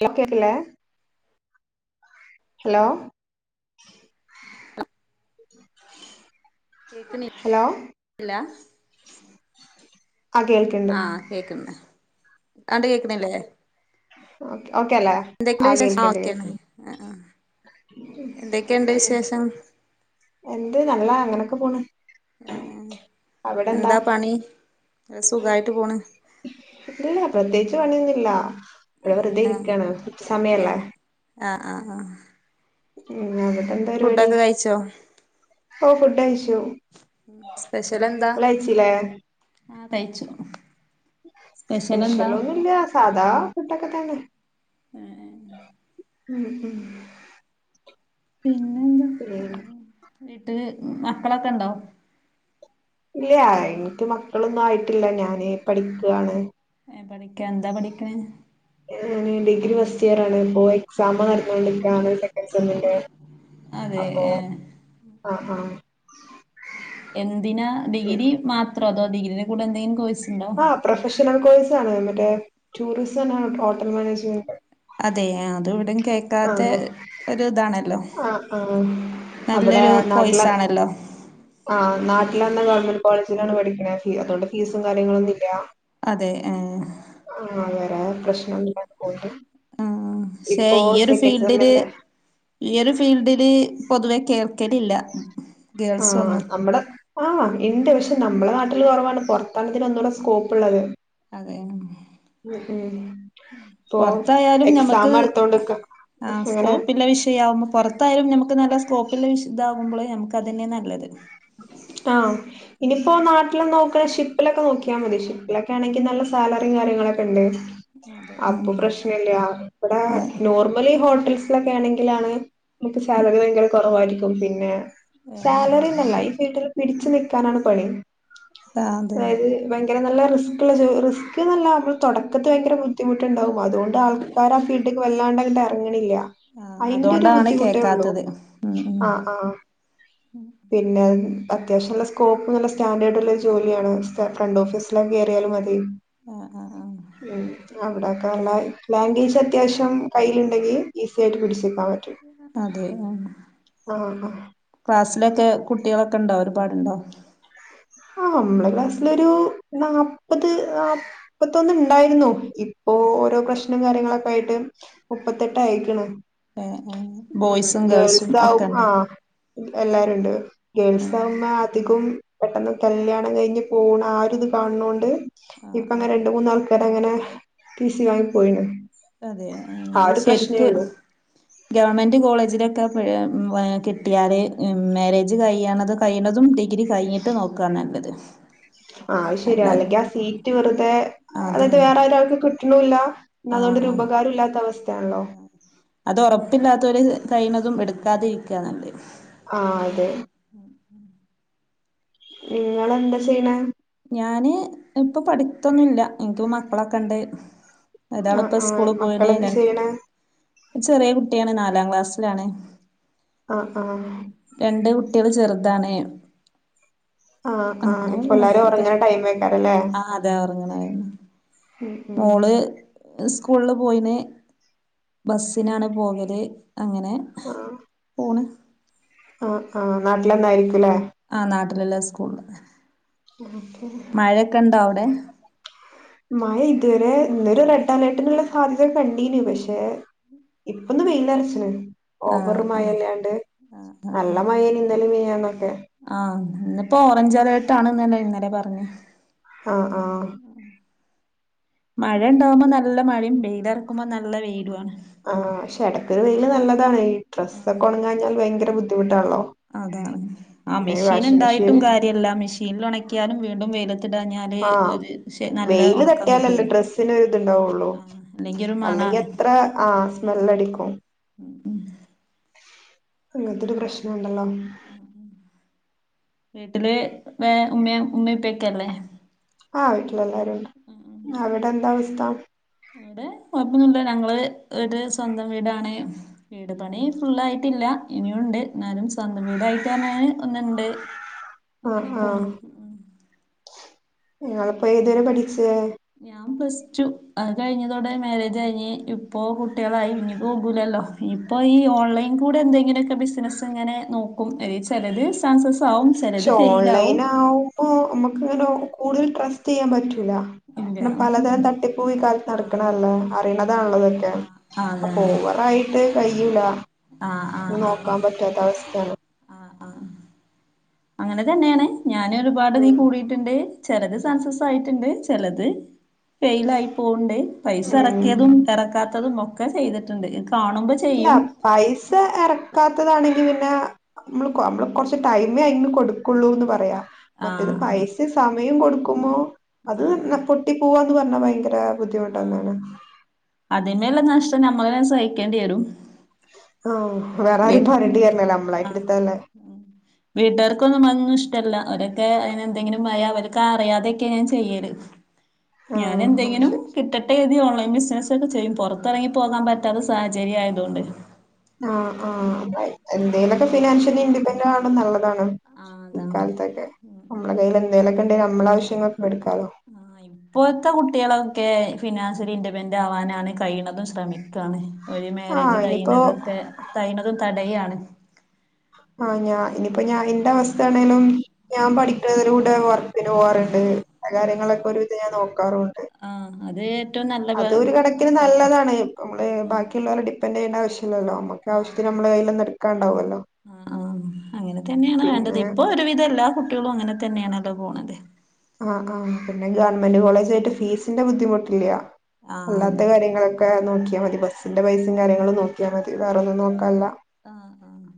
കേക്കല്ലേ? Hello കേക്ക്ണി hello ല്ലാ? ആ കേൾക്കണ്ട് ആ കേക്കുന്ന്. ആണ്ട് കേക്കിണില്ലേ? ഓക്കെ ഓക്കെ അല്ലേ എന്തൊക്കെയുണ്ട് വിശേഷം ആ കേൾക്കണ്ട് ഓക്കെയണ്‌, കേൾക്കണ്ട് എന്തൊക്കെയുണ്ട് വിശേഷം? എന്ത് നല്ലാ, അങ്ങനൊക്കെ പോണ്. ഏ എന്താ പണി? സുഖായിട്ട് പോണ്. ല്ലാ വിടെ ആഹ് വെറുതെയിരിക്ക്യാണ്, സമയല്ലേ. ഏഹ് ആഹ് ആഹ് ആഹ് അവിട്ടെന്താരിപാടി? ഫുഡൊക്കെ കഴിച്ചോ ഓ ഫുഡ് കയിച്ചു സ്പെഷ്യലെന്താ ങ്ങളയിച്ചില്ലേ? ആഹ് കഴിച്ചു സ്പെഷ്യലെന്താ സ്പെഷ്യലൊന്നുല്ല്യ സാധാ ഫുടൊക്കെ തന്നെ. എ ഏ ഉം ഉം പിന്നെ ഉം വീട്ടില് മക്കളൊക്കെണ്ടോ? ഇല്ലാ എനിക്ക് മക്കളൊന്നും ആയിട്ടില്ല ഞാനേ പഠിക്കുവാണ്. ഏ പഠിക്ക എന്താ പഠിക്കണേ ഡിഗ്രി ഫസ്റ്റ് ഇയർ ആണ് ഇപ്പോ എക്സാം നടഞ്ഞോണ്ടിക്കാണ് സെക്കൻ സെമ്മിന്റേ അതെ ഏ ആ എന് ന്തിനാ ഡിഗി മാ [unintelligible] ഡിഗ്രിടെ കൂടേന്തേലും കോഴ്സ് ആഹ് പ്രൊഫഷനൽ കോഴ്സ് [unintelligible] മറ്റേ ടൂറിസം ആൻഡ് ഹോട്ടൽ മാനേജ്മെന്റ് അതെ അത് ഇവിടെ കേ ക്കാത്ത ആഹ് ഒരു ഇതാണല്ലോ. ആഹ് ആഹ് അവിടെ നല്ലൊരു നാട്ടിലെ പോയിസാണല്ലോ ആഹ് നാട്ടില് തന്നെ ഗവൺമെന്റ് കോളേ [unintelligible] പഠിക്കണേ. അതുകൊണ്ട് ഫീസും കാര്യങ്ങളൊന്നുമില്ല. അതെ ആഹ് വേറെ പ്രശ്നൊന്നുല്ലാതെ പോണ്ട് ആ പക്ഷേ ഇപ്പോ ഈ ഒരു സെക്കൻഡ് ഫീൽഡില് സെമ്മിന്റെ ഈ ഒരു ഫീൽഡില് പൊതുവേ കേൾക്കലില്ല. ഗേൾസ് ഒന്നും ആഹ് മ്മടെ ആഹ് ഇണ്ട് പക്ഷെ നമ്മളെ നാട്ടില് കൊറവാണ്. പൊറത്താണ് ഇതിനൊന്നൂടെ സ്കോപ്പ് ഒള്ളത്. ഇപ്പൊ പൊറത്തായാലും ഞമ്മക്ക് എക്സാം അടുത്തോണ്ട്ക്ക ആ എങ്ങനെ സ്കോപ്പള്ള വിഷയവുമ്പോ പൊറത്തായാലും നമ്മക്ക് നല്ല സ്കോപ്പ് [unintelligible] നമുക്ക് അത് തന്നെയാ നല്ലത്. ആഹ് ഇനിപ്പോ നാട്ടില് നോക് [unintelligible] ഷിപ്പിലൊക്കെ നോക്കിയാ മതി. ഷിപ്പിലൊക്കെ ആണെങ്കി നല്ല സാലറിയും കാര്യങ്ങളൊക്കെ ഒണ്ടേ. അതെ ഉം അപ്പൊ പ്രശ്നയില്ല. അവിടെ ആഹ് നോർമലി ഹോട്ടൽസ് ളൊക്കെ ആണെങ്കിലാണ് നമുക്ക് സാലറി ഭയങ്കര കൊറവായിരിക്കും. പിന്നെ [unintelligible] വീട്ടിൽ പിടിച്ചു നിക്കാനാണ് പണി. അതെ അതായത് ഭയങ്കര നല്ല റിസ്ക് ഉള്ള ജോ റിസ്ക് എന്നല്ല നമ്മൾ തൊടക്കത്തി ഭയങ്കര ബുദ്ധിമുട്ടുണ്ടാവും. അതുകൊണ്ട് ആൾക്കാര് ആ ഫീൽഡേക്ക് വല്ലാണ്ട് അങ്ങിട്ട് ഇറങ്ങണില്ല. ആഹ് അയിന്റെ ഒരു അതുകൊണ്ടാണ് ബുദ്ധിമുട്ടേ ഉള്ളൂ. കേക്കാത്തത് ഉം ഉം ആഹ് ആ പിന്നെ അത് അത്യാവശ്യം നല്ല സ്കോപ്പ് നല്ല സ്റ്റാൻഡേർഡ് ഉള്ള ഒരു ജോലിയാണ് ഫ്രണ്ട് ഓഫീസില് കയറിയാലും മതി. ആഹ് ആഹ് ആഹ് ഉം അവിടെ ക ലാംഗ്വേജ് അത്യാവശ്യം കയ്യിയിലുണ്ടെങ്കിൽ ഈസി ആയിട്ട് പിടിച്ചു അതെ ആഹ് ആ ആ ക്ലാസ് ലൊക്കെ കുട്ടികളൊക്കെ ഉണ്ടാവും ഒരുപാടുണ്ടോ? ആഹ് നമ്മളെ ക്ലാസ്സിലൊരു നാപത് നാല്പ്പത്തൊന്ന് ഉണ്ടായിരുന്നു. ഇപ്പോൊ ഓരോ പ്രശ്ന [unintelligible] കാര്യങ്ങളൊക്കെ ആയിട്ട് മുപ്പത്തെട്ട് ആയേക്കണ്. ഏഹ് ഏഹ് ഉം ബോയ്സും ഗേൾസും ഒക്കെ ഗേൾസാവും. ഉണ്ടോ ആഹ് എല്ലാരുണ്ട് ഗേൾസാവുമ്പം അധികും പെട്ടെന്ന് കല്യാണം കഴിഞ്ഞ് പോണ ആ ഒര് ഇത് കാണ് ണോണ്ട്. ഇപ്പ അങ്ങ രണ്ട് മൂന്ന് ആൾക്കാരങ്ങനെ ട്ടീ സി വാങ്ങി പോയിണ്. അതെ ആഹ്. ആ ഒരു പ്രശ്നേ അഹ്ശരിക്ക് ഉള്ളൂ ഗവൺമെന്റ് കോളേജിലൊക്കെ [unintelligible] കിട്ടിയാല് മാരേജ് കഴ്യണത് കഴിയണതും ഡി ഗ്രി കഴിഞ്ഞിട്ട് നോക്കാ നല്ലത്. ആഹ് അല്ല അഹ്ശര്യാ. അല്ലെങ്കി ആ സീറ്റ് വെറുതെ അതായത് അതാണ് വേറെ ഒരാൾക്ക് കിട്ട് ണൂല്ല ആഹ് ആഹ് ആഹ് അത് ഒറപ്പില്ലാത്തോല് തൈനതും എടുക്കാതെ ഇരിക്ക നല്ല. ആഹ് അതെ നിങ്ങെളന്താ ചെയ്യണ? ഞാന് ഇപ്പൊ പഠിത്തൊന്നുംല്ല എനിക്കി മക്കളൊക്കെ ഇണ്ട് ആഹ് ആഹ് മക്കള എന്ത് ചെയ്യ്ണ ചെറിയ കുട്ടിയാണ് നാലാം ക്ലാസ്സിലാണ് ആഹ് ആഹ് രണ്ട് കുട്ടികള് ചെറുതാണ്. ആഹ് അങ്ങനെ ആഹ് പോണ് പിള്ളാരും ഒക്കെ ഉറങ്ങണ ടൈം എയ്കാരം ല്ലേ ആ അതെ ഉറങ്ങണായിരുന്നു മോള് സ് ഫുള് പോയിന് ബസിനാണ് പോകല് അങ്ങനെ ആഹ് പോണ് ആ നാട്ടിലെന്നായിരിക്കും അല്ലെ ലല്ല സ്കൂളില് ഓക്കെ മഴയൊക്കെ ഇണ്ടോ അവിടെ മാഴ ഇതുവരെ ഇന്നരു റെഡ് അലേർട്ടിനുള്ള സാധ്യത കണ്ടീനു പക്ഷെ ഇപ്പൊന്ന് വെയിലർച്ചിന് ആ ഓവറ് ആ മഴല്ലാണ്ട് നല്ല മഴയാന്നു ഇന്നലെയും മിനിഞ്ഞാ ഞാന്നോ ആഹ് ഇന്നിപ്പോ ഓറഞ്ച് അലേർട്ട് ആണ്ന്ന്ല്ലേ ഇന്ന ന്തെ പർഞ്ഞു. ആ ആ മഴ ഇണ്ടാവുമ്പോ നല്ല മഴയും വെയി ലെറക്കുമ്പോ നല്ല വെയിലു ആണ് ആഹ് പക്ഷെ എടക്കൊരു വെയില് നല്ലതാണ് ഈ ഡ്രസ് ആ ഒക്കെ ഒണങ്ങാഞ്ഞാൽ ഭയങ്കര ബുദ്ധിമു അതാണ് ആ മിഷീൻ വാഷിംഗ് ഉണ്ടായിട്ടും മെഷീന് കാര്യല്ല മിഷീനിൽ ഒണക്കിയാലും വീണ്ടും വെയില ആഹ് വെയില് ഉണക്കം കിട്ടൂല തട്ടിയാലല്ലേ ഡ്രസ്സിന് ഒരു ഇതൊണ്ടാവൊള്ളു ആ അല്ലെങ്കി ഒരു അല്ലെങ്കി മണാണ് എത്ര ആ സ്മെല്ലടിക്കും അങ്ങനത്തൊരു പ്രശ്നം ണ്ടല്ലോ വീട്ടില് ഉപ്പയും ഉമ്മയും ഉമ്മപ്പക്കല്ലേ ആ വീട്ടിലെല്ലാരും [unintelligible] അവിടെന്താ വ ന്താണ് ഇവിടെ കുഴപ്പൊന്നുല്ല ഞങ്ങള് ഇവിടെ സ്വന്തം വീടാണ് വീട് പണി ഫുള്ളായിട്ടില്ല ഇനിയും ഉണ്ട് എന്നാലും സ്വന്തം വീടായിട്ട് പറഞ്ഞാന് ഒന്നുണ്ട് ആഹ് അങ്ങനെ പോണ് ഉം നിങ്ങളപ്പോ ഏതുവരെ പഠിച്ച് ഞാൻ പ്ലസ് ടു അത് കഴിഞ്ഞതോടെ മാര്യേജ് കഴിഞ്ഞ് ഇപ്പോ കുട്ടികളായി ഇനി പോകൂ ലല്ലോ ഇപ്പോ ഈ ഓൺലൈൻ കൂടെ എന്തെങ്കിലൊക്കെ ബിസിനസ് ഇങ്ങനെ നോക്കും അതില് ചെലത് സക്സസ് ആവും ചിലത് ക്ഷെ ഫെയിൽ ആവും ഓൺലൈൻ ആവുമ്പോ നമ്മുക്ക് ഒരു കൂടുതൽ ട്രസ്റ് ചെയ്യാൻപറ്റു ല്ല ഇല്ല കാരണം ഉം. പലതരം തട്ടിപ്പൂ ഈ കാലത്ത് ആ നടക്കണതല്ലേ അറി ണതാണ ഇതൊക്കെ ആ ആ, അപ്പോ അതാണ് ഓവറായിട്ട് കഴി യില്ല ആ ആ ആ നോക്കാൻ പറ്റാത്ത അവസ്ഥയാണ് ആ ആ അങ്ങനെത്തന്നെയാണ് ഞാന് ഒരുപാട് തില് ഉം കൂടിയിട്ടുണ്ട് ചെലത് സക്സസ് ആയിട്ടുണ്ട് ചെ ലത് ഫെയിൽ ആയി പോവ്ണ്ട് പൈസ ഉം എറക്കിയതും എറക്കാ ത്തതും ഒക്കെ ചെയ്തിട്ടുണ്ട് [unintelligible] അല്ല ചെയ്യും പൈസ എറക്കാത്തതാണ് പിന്നെ നമ്മൾ നമ്മൾ കൊറച്ച് ടൈമേ അയിന് കൊടുക്കുള്ളൂന്ന് പറയാ ആ മറ്റേത് ആ പൈസിം സമയും കൊടുക്കു ക്കുമ്പോ അത് ആ അതാണ് പൊട്ടി പോവാന്ന് പറഞ്ഞാ ഭയങ്കര ആ ബുദ്ധിമുട്ടന്നാണ് നമ്മളെന്നെ സഹിക്കേണ്ടി വരും ആഹ് വേറെ വെ ആരും പറഞ്ഞിട്ട് കര്യല്ലല്ലേ ആ നമ്മളായിട്ട് ഇട്ത്തല്ലേ ഉം വീട്ടുകാർക്കൊന്നും അതൊന്നും ഇഷ്ടല്ല അവരൊക്കെ അയ്ന് എന്തെങ്കിലും മയാ അവരൊക്കെ അറിയാതെയൊക്കെ ഞാൻ ചെയ്യല് ഞാൻ ആഹ് ആഹ് എന്തെങ്കിലും ശരി കിട്ടട്ടെ ഓൺലൈൻ ബിസിനക്കെ ചെയ്യും പുറത്തിറങ്ങി പോകാൻ പറ്റാത്ത സാഹചര്യ ആയതോണ്ടെ ആഹ് ആഹ് ബൈ എന്തെങ്കിലോക്കെ ഫിനാൻഷ്യൽ ഇൻഡിപെൻഡൻസ് ആണോള്ളത് ആണ് ആ അതാണ് ഇക്കാലത്തൊക്കെ ഉം നമ്മളെ ഉം കയ്യിൽ എന്തേലൊക്കെ ടെ നമ്മളെ ആവശ്യങ്ങൾ ആ ഇപ്പോഴത്തെ കുട്ടികളൊക്കെ ഫിനാൻസ് റ്റൊര് ഇൻന്റപെന്റാവാനാണ് കഴിയ്ണതും ശ്രമിക്കാണ് ഒരു മേരേജ് ആഹ് ഇനിയിപ്പോ കയിഞതൊക്കെ കയ്ണതും തടയാ ആഹ് ഞാൻ ഇനിപ്പോ ഞാനിന്റെ അവസ്ഥാണേലും ഞാൻ പഠിക്ക്ണതിലൂടെ വർക്കിന് പോവാറ്ണ്ട് അകാര്യങ്ങളൊക്കെ ഒരു വിധം ഞാൻ നോക് ക്കാറുണ്ട്. ആഹ് അത് ഏറ്റവും നല്ല പ അത് ഒരു കണക്കിന് കാര്യമാണ് നല്ലതാണ് നമ്മള് ബാക്കിള്ളോലെ ഡിപ്പൻഡെയ്യ്ണെ ലല്ലോ മ്മക്ക് ആഹ് ആവശ്യത്തിന് നമ്മളെ കയ്യിൽന്ന് ഇട്ക്കാണ്ടാവൊല്ലോ ആഹ് ആഹ് അങ്ങനെ തന്ന്യായാണ് വേണ്ടത് ഇപ്പൊ ഒരുവിധം എല്ലാ കുട്ട്യേളും അങ്ങനെ തന്നെയാണല്ലോ പോണത് ആഹ് ആഹ് പിന്നെ ഗവൺമെന്റ് കോളേജ് തായിട്ട് ഫീസിന്റെ ബുദ്ധിമുട്ടില്ല. ആഹ് അതെ അല്ലാത്ത കാര്യങ്ങളൊക്കെ നോക്കി ട്ട്യാ മതി ബസിന്റെ പൈസിം കാര്യങ്ങളും നോക്കിയാ മതി വേറൊന്നും നോക്കാല്ല ആഹ് ആഹ്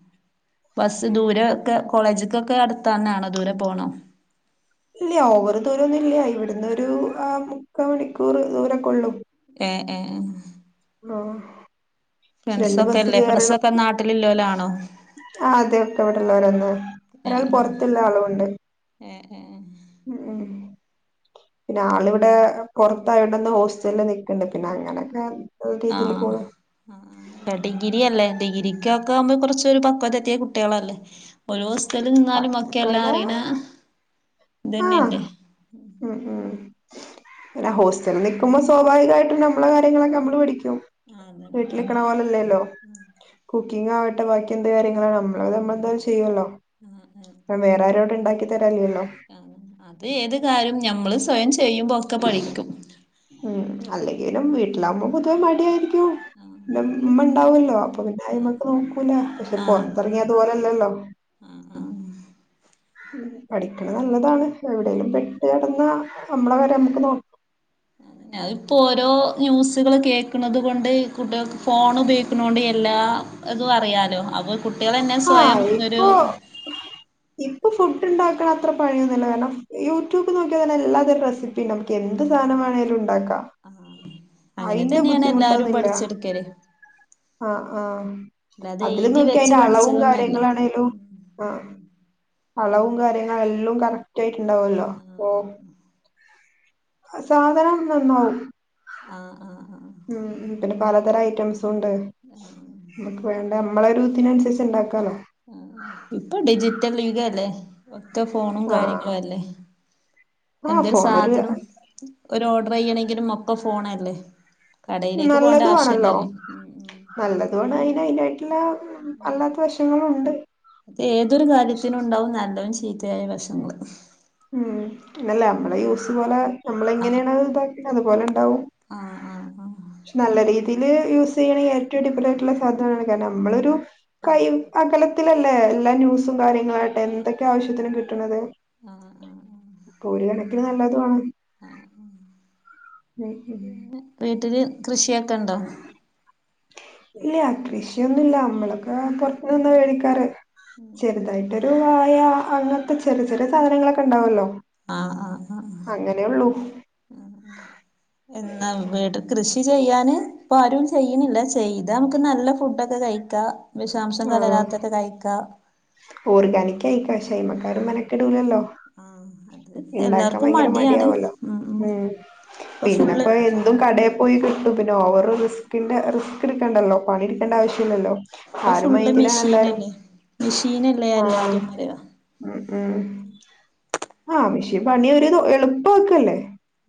ബസ്സ് ദൂരെ ഒക്കെ കോളേജ്ക്കൊക്കെ അടുത്തന്നാണോ ദൂരെ പോണോ ഇല്ല ഓവർ ദൂരെ ഒന്നും ഇല്ല ഇവിടുന്ന് ഒരു ആഹ് മുക്കാ മണിക്കൂർ ദൂരൊക്കൊള്ളും ഏഹ് എഹ് എഹ് ഓഹ് രണ്ട് ബസ്സ് അല്ലേ കേറണം. ഫ്രണ്ട്സൊക്കെ നാട്ടിലില്ലോലാണോ ആഹ് അതൊക്കെ ഇവിടെള്ളോരന്നെ ഒരാൾ ഏഹ് പൊറത്ത്ള്ള ആള്ണ്ട് ഏഹ് ഏഹ് ഏഹ് [unintelligible] ഉം പിന്നെ ആളിവിടെ പൊറത്തായൊണ്ടെന്ന് ഹോസ്റ്റലിൽ നിക്ക്ണ്ട്‌ പിന്നെ അങ്ങനെക്കെ ആഹ് ആഹ് ഡിഗ്രിയല്ലെ? ഡിഗ്രിക്കൊക്കാവുമ്പ കൊറച്ച് ഒരു പക്വത എത്തിയ കുട്ട്യേളല്ലെ ഒരുസ് റ്റലിൽ നിന്നാലും ഒക്കെ തക്കതാ എല്ലാറിണ ആ ഇതെന്നെല്ലെ ഉം ഉം ന്നെ ഹോസ്റ്റലിൽ നിക്കുമ്പോ സ്വാഭാവികായിട്ടും നമ്മളെ കാര്യങ്ങളൊക്കെ നമ്മൾ പഠിക്കും ആണ് അത് വീട്ട്ലിക്ക്ണ പോലെല്ലോ കു പിന്നെന്നാവട്ടെ ബാക്കി എന്ത് കാര്യം ആ നമ്മളെന്തായാലും ചെയ്യുല്ലോ കാരണ വേറാരുട്ണ്ടെങ്കിൽ- ആ അത് ഏത് എന്തായാലും നമ്മള് സ്വയം ചെ ചെയ്യുമ്പോ ഒക്ക പഠിക്കും ഉം അല്ലെ എങ്കിലും വീട്ടിലാവുബോൾ പൊതുവെ മടിയായിരിക്കും ആഹ് അത് അമ്മ ഇണ്ടാവല്ലോ അപ്പ പിന്നെ ആരും നമ്മക്ക് നോക്കൂല പക്ഷെ ആഹ് പൊറത്തെറങ്ങിയാ അത് പോലല്ലല്ലോ ആഹ് ആഹ് ഉം പഠിക്ക്ണ നല്ലതാണ് എവിടേലും പെട്ട് കെടനാൽ നമ്മളെ കാര്യം നമ്മക്ക് നോ അഹ്‌ ഇപ്പൊ ഓരോ ന്യൂസ്കൾ കേക്ക്ണത് കൊണ്ട് കുട്ടികൾക്ക് ഫോണ് പയോഗിക്കണോണ്ട് എല്ലാതു അറിയാല്ലോ അപ്പൊ കുട്ടിളെന്നെ ആ സ്വയം ഒരു- ഇപ്പ ഫുഡ്‌ ഇണ്ടാക്ക്ണ അത്ര പണിയൊന്നല്ല കാരണം യൂട്യൂബ് നോക്കിയ തന്നെ എല്ലാ തര റെസിപ്പി ഇണ്ടാവു മുക്ക് എന്ത് സാനെ വേണേലു ഇണ്ടാക്കാ ആ അയിന്റെ ബുദ്ധിമുട്ടൊന്നില്ല അല്ലാതെ അതിൽ എഴുതി നോക്കി വെച്ച് അതിന്റെ അളവും പഠിച്ചതൊന്നല്ല കാര്യങ്ങളാണെലും അ- അളവും കാര്യങ്ങളെല്ലുംഎല്ലാം കറക്റ്റ് അയി ഉണ്ടാവല്ലോ ആഹ് ഓ അ സാധനം നന്നാവും ആ അ അ ഉം ഉം പിന്നെ പലതരം ഐറ്റംസ് വേണ്ടെ വേണ്ടാന് നമ്മലായിട്ടു ഒരുതിനൻസരിച്ച് ഇണ്ടാക്കാ അ ആ ഇപ്പൊ ഡിജിറ്റൽ യുഗല്ലേ [inaudible] ഇന്ന് ഫോണും ആഹ് കാര്യങ്ങളു അല്ലെ ആഹ് എന്തൊരു ഫോൺ ഒരു സാധനം ഒരു ഓഡർ ചെയ്യ്ണെങ്കിലും ഒ ഇപ്പൊ ഫോണല്ലേ കടയിലേക്ക് പോകേണ്ട നല്ലതു ആണല്ലോ ആവശ്യല്ലല്ലോ ഉം ഉം നല്ലതും അതിന് അതിനായിട്ടുള്ള അല്ലാത്ത വശങ്ങളും യേതൊരു കാര്യത്തിനുണ്ടാവും നല്ലവും നല്ലതും ചീത്തയും ചീത്തയായ വശങ്ങള് ഉം അല്ല അമ്മള് യൂസ് പോലെ അമ്മളി ആഹ് ഇങ്ങനേണ് [unintelligible] അതുപോലെ ഇണ്ടാവും ആഹ് ആഹ് ആഹ് നല്ല രീ ഇത് യൂസ് ചെയ്യാണെങ്കി ഏറ്റം അടിപൊള്യായിട്ട്ള്ള സാധനാണ് നമ്മളൊരു കൈയും അകലം ത്തിലല്ലേ എല്ലാ ന്യൂസും കാര്യങ്ങളാട്ടെ എന്തൊക്കാവശ്യത്തിന് കിട്ട്ണത് ആഹ് പോരു കണക്കിന് നല്ലതോണ്. അഹ് ആഹ്, ഉം പിന്നെ വീട്ടില് കൃഷ്യ ക്കെണ്ടോ ഇല്ല കൃഷിയൊന്നുല്ല അമ്മള്ക്ക് പൊറത്ത് നിന്ന വേടിക്കാർ ചെറുതായിട്ടൊരു [unintelligible] ഇയാ അങ്ങൻതെ ചെറി ചെറ്യേ സാധനങ്ങളൊക്കെ ഇണ്ടാവൊള്ളു ആഹ് ആഹ് ആഹ്, ആഹ് എന്നാ വിട് കൃഷി ചെയ്യാന് പ്പാരും ചെയ്യ്ണില്ല ചെയ്താംക്ക് നല്ല ഫുഡൊക്കെ കഴിക്കാ വിഷാംശം കലരാത്തത് കഴിക്കാ ഓർഗാനിക്കയിക്കോ പക്ഷേ അയ്മക്കാരും മെനക്കെടൂലല്ലോ ആഹ് അത് ഇണ്ടാക്കാൻ എല്ലാർക്കും ഭയങ്കര മടിയാണ് മടിയാവ്വല്ലോ ഉം ഇപ്പൊ പിന്നെപ്പോ ഫുള്ള് എന്തും കടേ പോയി കിട്ടും പിന്നെ ഓവർ റിസ്കിന്റെ റിസ്കെടുക്കണ്ടല്ലോ പണിട്ക്കണ്ട ആവശ്യില്ലല്ലോ ഇപ്പൊ ആരു ഫുള്ള് മൈന്റിലാണെല്ലാരും മെഷീനല്ലേ മെഷീനല്ലേ എല്ലാതും പറയാ ഉം ഉം ആ മിഷീൻ പണി ഒരു എളുപ്പാക്കല്ലേ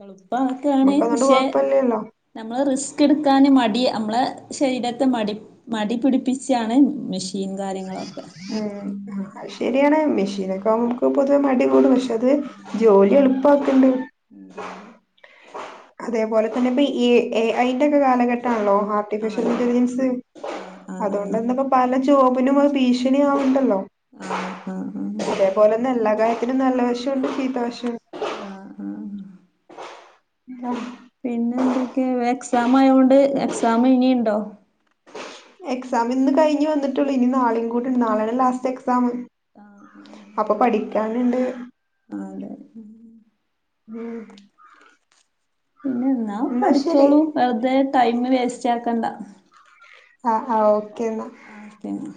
എളുപ്പ ആക്കാണ് നമുക്ക് അതുകൊണ്ട് പക്ഷെ കൊഴപ്പല്ലല്ലോ നമ്മള് റിസ് കെടുക്കാന് മടി അമ്മളെ ശരീരത്തെ മടി മടി പിടിപ്പിച്ചാണ് മെഷി ഉം ഉം അയ് ശരിയാണ് മെഷീനൊക്കാംക്ക് പൊതുവെ മടി [unintelligible] റ്റത് ജോലി എളുപ്പക്കുന്നു. തേപോലെ തന്നിപ്പ ഈ ഏ ഐ കെ കാലഘട്ടാണല്ലോ ഹാട്ടിഫിഷ്യൽ ആഹ് ഇന്റലിജൻസ് ആഹ് ആഹ് അതോണ്ടെന്നിപ്പൊ പല ജോബിനുമത് ഭീഷണിയാവുണ്ടല്ലോ ആഹ് ആഹ് ആഹ് അതേ പോലെന്നെല്ലാ കാ നല്ല വശോണ്ട് ചീത്ത വാശോ ആഹ് ആഹ് ആഹ് പിന്നെ എന്തൊക്കെയാ വാക്‌സ് എക്സാം ആയോണ്ട് എക്സാം ഇനി ഇണ്ടോ എക്സാം ഇന്ന് കഴിഞ്ഞ് വന്നിട്ടുള്ളു ഇനി നാളെകൂടി ണ്ട് നാളെയാണ് ലാസ്റ്റ് എക്സാം ആഹ് അപ്പൊ പഠിക്കാനിണ്ട്. ആഹ് തെ ഉം പിന്നെ എന്നാ പഠിച്ചോളൂ വെറുതെ ടൈം വേസ്റ്റ് ആ ക്കണ്ട. ആഹ് ആഹ് ഓക്കേ ന്നാ പിന്നെ